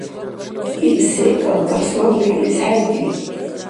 Ил секӀал Арсланбеглис хӀейгибизур